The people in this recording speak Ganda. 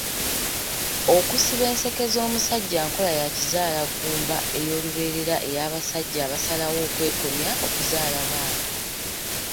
Okusiba enseke z’omusajja nkola ya kizaalaggumba ey’olubeerera ey’abasajja abasalawo okwekomya okuzaala baana.